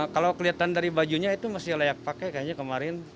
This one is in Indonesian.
kalau kelihatan dari bajunya itu masih layak pakai kayaknya kemarin